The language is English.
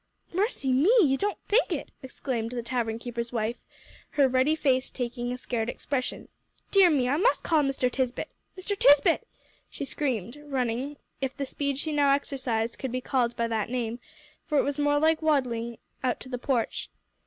"Mercy me! you don't think it!" exclaimed the tavern keeper's wife, her ruddy face taking a scared expression. "Dear me! I must call Mr. Tisbett. Mr. Tisbett!" she screamed, running, if the speed she now exercised could be called by that name, for it was more like waddling, out to the porch.